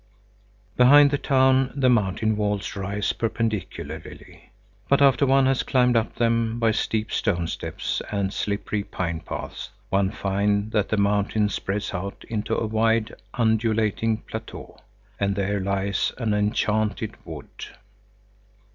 IV Behind the town the mountain walls rise perpendicularly, but after one has climbed up them by steep stone steps and slippery pine paths, one finds that the mountain spreads out into a wide, undulating plateau. And there lies an enchanted wood.